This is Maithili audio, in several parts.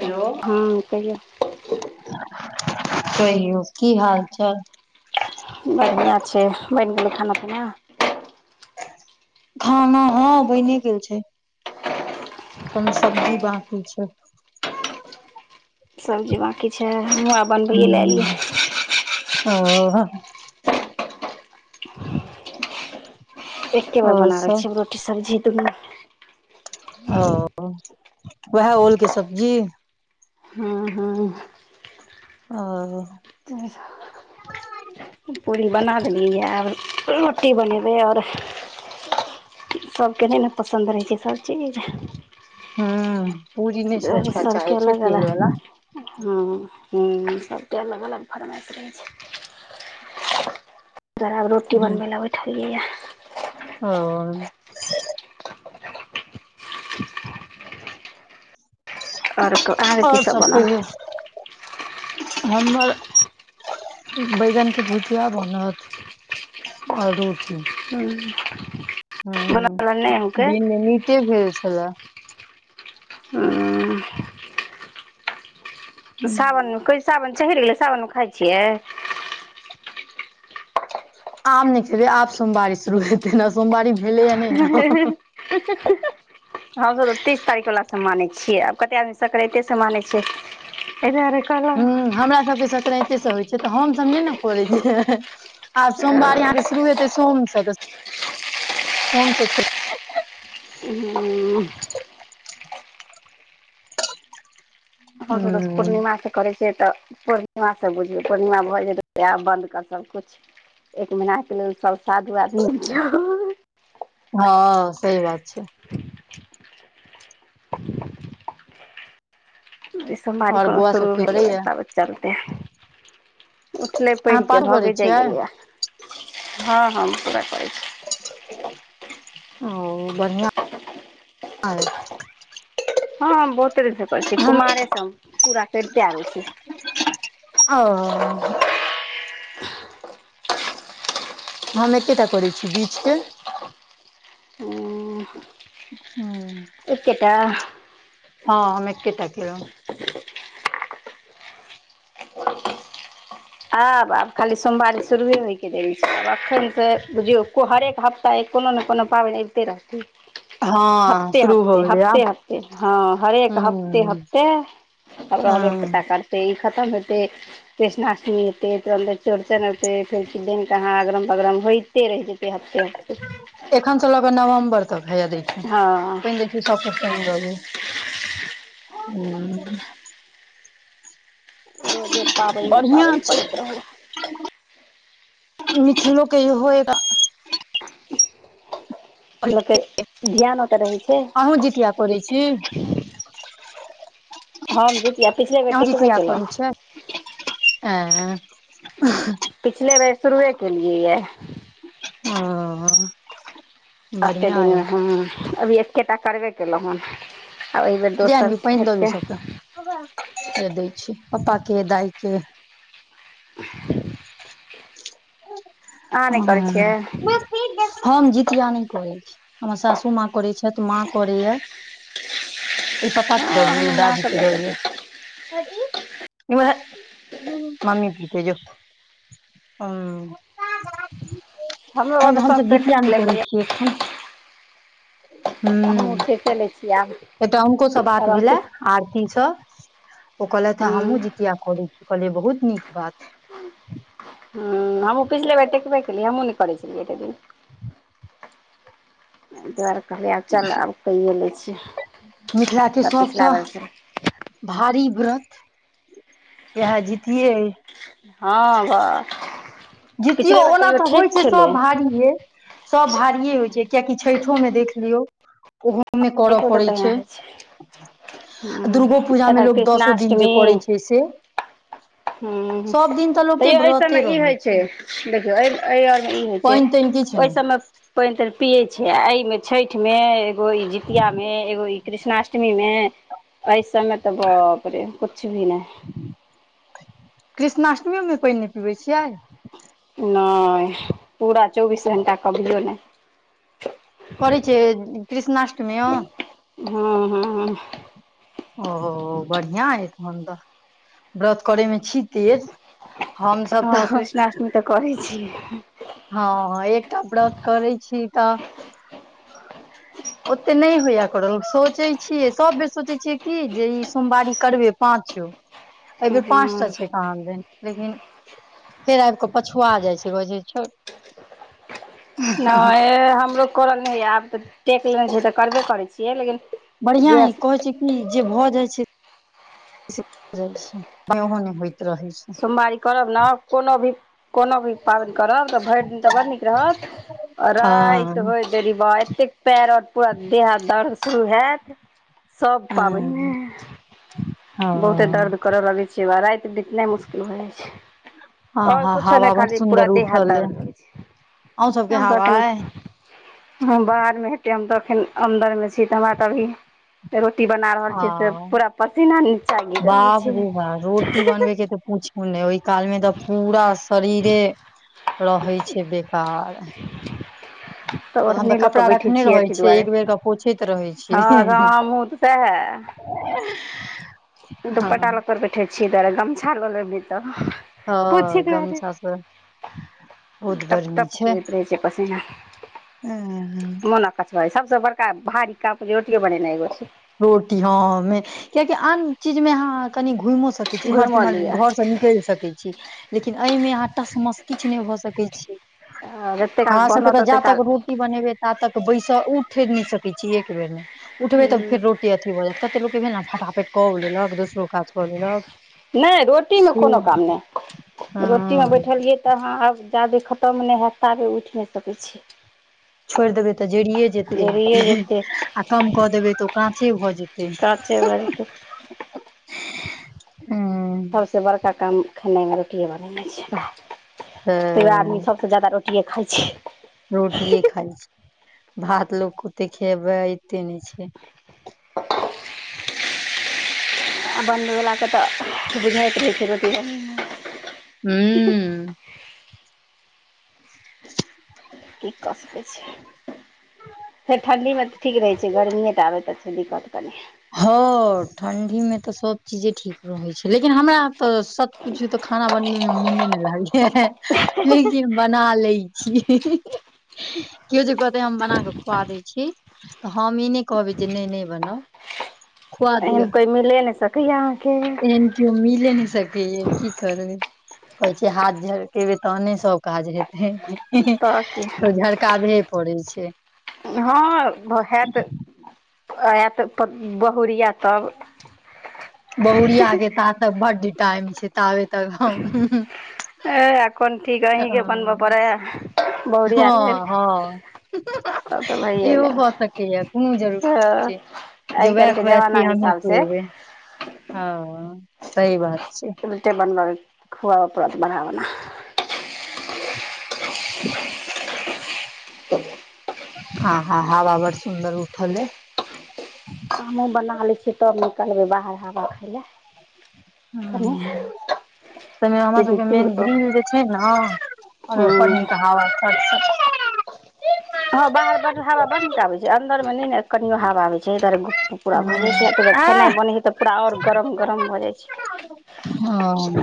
हैेलो हँ कहियौ। कहियौ की हाल चाल बढ़िआँ छै बनि गेलै खाना पीना खाना हँ बहिने गेल छै। तहन सब्जी बकी छै। सब्जी बाँकी छै हुँ आ बनबैयए लएलियै आ हां हां एक्के बेर और बना लै सब छियै रोटी सब्जी दुनू ओ ओएह ओल के सब्जी हूं हूं। आओ तेस पूरी बना देलियैए आब रोटी बनेबै आओर सभकेने ने पसन्द रहै छै सबचीज ह पूरी नहि सब खै चाहे छै तेल वा ह ह सभके अलग अलग फरमाइश रहै छै। [inaudible] तखैन आब रोटी बनबै लए बैठलियैएँ। ओ। अरक आर की और सब बनत? कहियौ हमर बैगन के भुजिया बनत आओर रोटी। हूँ। हुं, दिनमे मीटे भेल छले। हां। साबन मे कहै ले सााबन चहेर गेलै, सााबन मे खाइ छियै? आब नहि खेबै, आब सोमवारी शुरू हेते ने, सोमवारी भेलैये, नहि ने। हमसभ तऽ तीस तारीख वला सै मानै छियै आब कतेक आदमी संक्रतेसँ मानै छै। ऐ दुआरे कहलहुँ हं हमरा सभके सक्रान्तिसँ होइ छै तऽ हमसभ नहि ने करै छियै। आ सोमवारी अहाँके शुरू हेतै सोम से तऽ सोम से छोड़ि हुं। हम सब त हूँ पूर्णिमासँ करै छियै तऽ पूर्णिमा से बुझियौ पूर्णिमा भऽ जेतै त बन्द कर सब कुछ, एक महीनााके लेल सब साधु आदमी भ जौ। हँ सही बात छै। जै सोमवारी आओर कोनो बौआ शुरू सब की भेलैए करैया तब चलतै, उठलै अहाँ पानि पाठ तऽ करै भगे जाइ छियै गेलियै। हँ हँ पूरा करै छी। ओ बढ़िआँ अइ। हँ बहुतेन करै छियै हम कुमारे सं पूरा करिते आबै छी। ओ। हम एकेटा करै छी, बीच के। हुं। एकेटा? हाँ हम एकेटा केलहुँ। आब आब खाली सोमवारी शुरुए होइ के रहै छैय आब अखन से बुझियौ हरेक हफ्ता तऽ कोनो ने कोनो पाबनि अबिते रहतै। हँ हफ्ते शुरू हफ्ते भऽ गेलै हफ्ते आब हफ्ते हाँ हरेक हफ्ते हूँ हफ्ते तब रहबै हँ करते ई खतम हेतै, कृष्णा अष्टमी हेतै तुरंते चौड़चन होतै फेर दनके कहाँ अगरम बगरम होइते रहि जेतै हफ्ते हफ्ते। एखन से लऽ के नवम्बर तक हैया दै हँ छियैन। ई सबके पानि द देने, हुं। रोजे पाबनि न बढ़िआँ पाबनि छै करैत रहु। मिथिलो के होएगा। लोकके ध्यान ओतऽ रहै छै अहूँ जितिया करै छी? हम जितिया पिछले बेेर टिकबे केलौं हें। आँ। पिछले बेर शुरुए केलियै ये। ओ। एते बढ़िया दिन य मे हां अभी एकेटा करबे केलौ हन। आब एबेर दोसर हेतै। हेया दै छी पप्पा के दाय के। अहाँ नहि ओ। करै छियै हम जितिया नै करै छी, हमर सासू माँ करै छैथ, माँ करैया। ई पप्पा के द हँ दबे, ई हमर माँ दादी सब क द नहि करै छै दियौ। मम्मी पीते जो। ओ। हमरो तहन तऽ घरमे हम सब करि जितिया नै लै करै छै छियै अखन, हुं। एते लै छी आब। एकटा हुनको से बात आब हम भेले पीस आरती से ओ कहलैथ हे हूँ हमु जितिया करै छी, कहलियै बहुत नीक बात। हुं हमु पिछले बेर टिकबे केलियै, हमु नै करै छलियै एते दिन। ए दुआरे कहलियै आब चल आब काइये लै छियै, मिथिला के तब पिछला सबसँ बेर से भारी व्रत इहाए जितये अय। हां भा जितियौ ओना तऽ होय छै सब एहि भारिये। सब भारिये होय छै कियाकि छैठो मे देख लियौ उहो मे करऽ बेर तऽ पड़ै तहिना छै। होइ आ हूँ दुर्गो पूजा मे एतऽ लोग दसो दिन जे करै कृष्णाष्टमी छै से। हूँ सब दिन तऽ लोक के तैयो एहि सबमे व्रते ई होइ रहै छै। देखियौ ए ए आर मे ई होय छै, पानि तानि किछु ओय नहि सबमे पेएन-तेएन पिये छै आ ए मे छै ठ मे एगो ई जितिया मे एगो ई कृष्णाष्टमी मे ए सब मे तऽ बाप रे कुछ भी नै। कृष्णाष्टमियो मे पेएन नै पीबै छियै। नै पूरा चौबीस घंटा कभियो नै। करै छै कृष्णाष्टमियो। हाँ-हाँ। ओ बढ़ियाँ अय तहन त व्रत करै मे छी तेज। हम सब हँ तऽ कृष्णाष्टमी तऽ करै छियै हाँ-हाँ एकटा व्रत करै छी तऽ ओते नै होयया करल सोचै छियै, सब बेर सोचै छियै कि जे ई सोमवारी करबै पाचो। एबेर पाँचटा हँ छै कहांदेन। लेकिन फेर आब कऽ पछुआ जाय छै, कहै छै छोड़। नै हमरो करल नै आब तऽ टेक लेने छै तऽ करबे करै छियै लेकिन बढ़ियाँ अय जहिया कहै छै कि जे भऽ जाय छै से भ जाय छै [inaudible] उहो नै हो रहै छै। सोमवारी करब नै कोनो भी कोनो भी पाबैन करब तऽ भैर दिन तऽ बड़ नीक रहत अ हँ राएत होय [unintelligible] बा एतेक पैर आर पूरा देह हाथ दर्द शुरू हाएत। सब पाबैन हँ मे बहुते हँ दर्द करा लागै छै, वाएह राएत बितनाय मुश्किल भ जाय हँ छै और हँ कुछो नै हवा बड़ खाली पूरा सुन्दर देह हाथ उठल अइ दर्द करै छै, अहूँ सबके हां हवा [unintelligible] अइ हां बाहर मे हेतय हम तै ऐखेन अन्दर में छी तऽ हमरा तै अभी रोटी बना रहल आ छीयै से पूरा पसीना नीचा गिर रहल छै। पुछु नै ओय काल मे तै पूरा शरीरे रहय छै बेकार तै हम तऽ ओरहनी ल क कपड़ा बैठय रखने छियै रहै अथी दुआरे एक बेर के पोछैत रहै हां छियै रा हम्हुं तै सैहे [unintelligible] हँ दुपट्टा ल क बैठे छियै ओय दुआरे गमछा ल लैब नै तऽ हां पोछे गमछा से बहुत गर्मी टप-टप चुएैत रहय छै पसीना। ऐं हां। मोन अक्छ भै जाए सबसे बड़का भारी कप रोटीए बनैनय होय छै। रोटी हां मे कियाकि अन चीज में अहां कनि घुमौ सक छी ईम्हर से घुमि ईम्हर लिअ घर से निकैल सकय छी। लेकिन एमे अहाँ टस-मस किछ नै भऽ सकय छी, जते काल हमरा सबके बनत तै ओते जा तक काल रो टी बनेबै ता तक बैसा उठ नै सकय छीयै एक बेर नै उठबै तऽ हूं फेर रोटी अथी भऽ जाएत, कते लोक के भेल नै फटा-फट कऽ अ लेलक दोसरो काज कऽ लेलक नै रोटीमे से कोनो काम नै रोटी मे हँ बैठलिए तऽ अहाँ अब जा धैर खत्म नै हैत ताबे उठ नै सकय छीयै। छोएड़ देबय तै जरिेए जरिये जेतय जेतै आ कम कऽ देबय तऽ ओ काँचे भऽ जेतय। काँचे भ जैतय हूं सबस बड़का काम खेनाय मे रोटिए बनेनय छै तै वैह आदमी तऽ सब तै जादा रोटिए खाय छै। रोटिए खाय छै, भात लोक के ओतय खेबय ऐते नै छै। आ बनबय बला के तऽ बुझाइत रहय छै रोटी बनबय में। हूं। उम्म की क सकय छी? फेर ठण्डी मे तै ठीक रहय छै, गर्मीए टा में आबै तऽ छै दिक्कत कनि हां ठण्डी मे तै सब चीजे ठीक रहय छै लेकिन हमरा तऽ सत्य पुछयौ तऽ खाना बनबे में मुने नै लागय यै लेकिन बना लै छी। कियो जे कहते हम बना के खुआ दै छी तऽ हम ई नै कहबै जे नै-नै बनाव। एहेन कोय मिले नै सकय यै अहाँके। कियो मिलै नै सकय यै की करबे कहय छै हाथ झरकेबै तहने सब काज हेतय। तऽ झड़काहे पड़य छै। हां भ हेत ऐत पर बहुरिया पर बहुरिया के तातै बड टाइम छै। ताबे तक हम कोन ठीक अहीँके हां बनबऽ पड़ै ए बहुरिया लेल हां-हां तब तऽ भइए इहो भऽ सकय यै। कूनू जरूरी नै छै गेल आइ जे वैह काल्हिके खुआएत जमाना कि हम्हीं हिसाबसँ खुएबय। हां सही बात छै। उल्टे बनबा खुआब परात बनाबना। तऽ। आ हा- हा हावा बड़ सुन्दर उठल एैय। हमहुूँ बना लै छियै, तब निकलबै बाहर हवा खाय लए। हं। कनि तैय मे हमर पीढ़ी सबके मेन पर ग्रील जे छै ने, ओय मे बड़ हँ नीक हवा हँ बाहर बड़ हवा बड़ नीक आबै छै, अन्दर मे नै ने कनियो हवा आबे छै एैयद्वारे तऽ पूरा भऽ जाय छै, आ तै में खेनाइ बनै हैय तऽ पूरा ओर गरम -गरम भऽ जाय छै। हँ।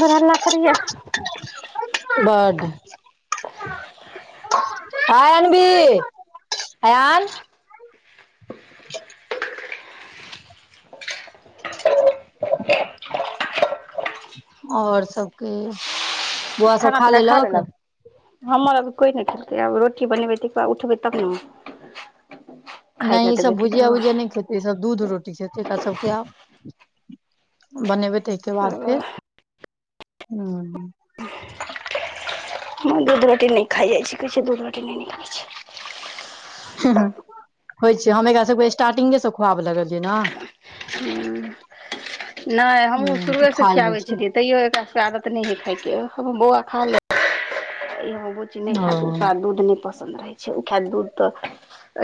बड़ हल्ला कड़ैय या। बड्ड। हाय अन्वी, आयान। और सब कहियो। खाना- पीना खा लेलक। हमर अभी कोय नै खेलकै, आब रोटी बनेबै तैय के बाद उठबै तब ने। नै खाय लए ई सब देबै भुजिया- ककरो वुजिया नै खेतै। ई सब दूध रोटी खेतै, एकरा सबके आ बनेबेै तैय के बाद फेर हूं। हमर दूध रोटी नै खाय जाय छै, कहै छै दूध रोटी नै नीक लगै छै। होय छै, हम एकरा सबके स्टार्टिंगे सँ खुआब लगलियै ना। हूं नैय हमहुूँ हूँ तऽ शुरुए से खा लै खियाबै छै छेलियै। तैयो एकरा सब के आदत नै हेै, खाय के हमर बौआ खा लेत। हमरि बुच्ची नै ओ खायैत, ओकरा दूध नै पसंन्द रहै छै, ओ खायत दूध तऽ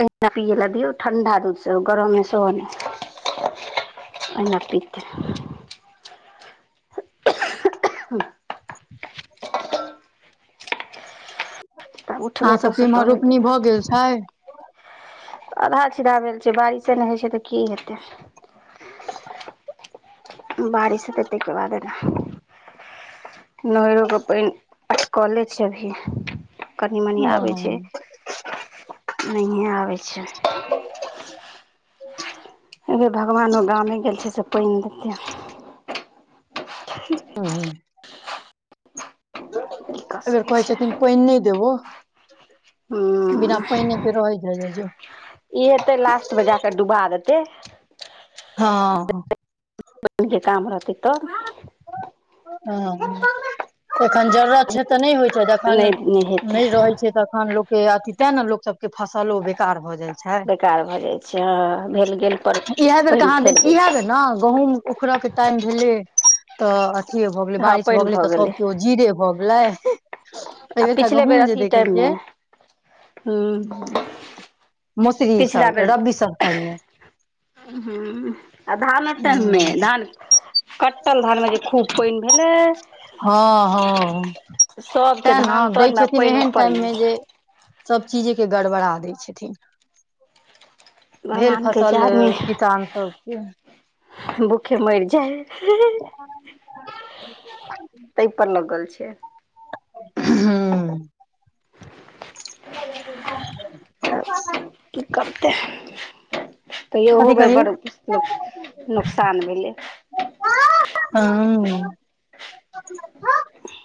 एहिना पियै लए दियौ, ठण्डा दूध सेहो, गरम सेहो नै। अहिना पितै। [unintelligible] तब उठबै आहाँ सबके एतऽसँ इम्हर तबे रोपनी देबै भए गेल छैय। अधहा- छिधहा भेल छै, बारिशे नै होय छै तऽ की हेतै। बारिश हेतै तैय के बाद ने। नोहरो के पैन अटकले छैय अभी। कनी -मनी ओ आबै छै, नैहे आबै छैय। एय बेर भगवानो गामे गेल छैय, से पैन देतै। हूं। की कऽ एैय बेर सकै कहै छै छथिन पैन नैय देबौ। हूँ बिना पैने के रहै जाय जो। बजाकऽ डुबा देतै। हँं। काम रह तै तऽ। हँं एखन जरूरत छै तऽ नै होय छै, जब अखन नहि नहि हेतै नै रहै छै, तखन लोक के अथी तैं न लोक सब के फसलो बेकार भऽ जाय छै, बेकार भऽ जाइ छै हँ भेल गेल पर इह बेर पानि कहाँ दीन फेर दै इएह छै बेर ने गहुूंम उखड़ के टाइम भेलै तऽ अथिये भए गेलै हँ बारिश भए पानि गेलै भऽ तऽ सब केओ जीरे भए गेल। लै आ एहि बेरका पिछले बेर गहुँम जे अथी देखै टाइममे छियै। हूँ मोसरी पिछला सब बेर रबी सब खाइये। आ धानक टाइममे, धान कट्टल धान मे जे खूब पैन भेलै। हँ हँ सभके तै ने धान दै तरमे आ छथिन पानि एहन टाइम ऊपरमे मे जे सब चीजे के गड़बड़ा दै छथिन। भेल भगवान कहै छै फसल आदमी किसान सबके भूखे मरि जाइ। तै पर लगल छै। हुं। चल गेलै बाहर। कि करतै। ते अहु कथी बेर कहलियै बड़ नोकसान भेलै। हँ।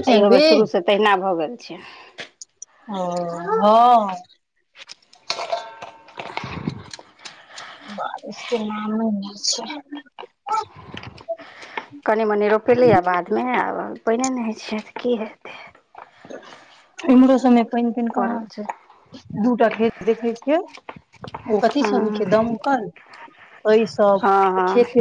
एहियो बेर शुरूसँ तहिना भऽ गेल छै। ओ हँ। बारिश तऽ नामे नहि छै। कनि मनि रोपेले आ बादमे आब पाइने ने होइ छियै तऽ की हेतै। इम्हरो सबमे पैन-तैन कहाँ छै, दूटा खेत देखै छियै। ओ कथी सं होइ हँ छै, दमकल, एहि सं हँ हँ खेत।